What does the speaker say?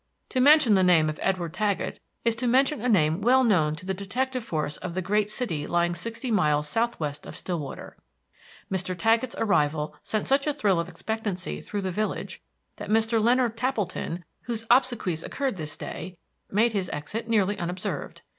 To mention the name of Edward Taggett is to mention a name well known to the detective force of the great city lying sixty miles southwest of Stillwater. Mr. Taggett's arrival sent such a thrill of expectancy through the village that Mr. Leonard Tappleton, whose obsequies occurred this day, made his exit nearly unobserved.